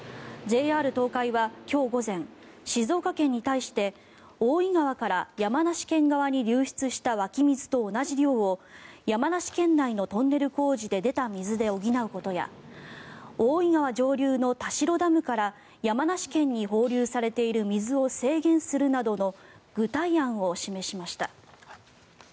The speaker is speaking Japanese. ＪＲ東海は今日午前静岡県に対して大井川から山梨県側に流出した湧き水と同じ量を山梨県内のトンネル工事で出た水で補うことや大井川上流の田代ダムから山梨県に放流されている水を制限するなどの具体案を示しました。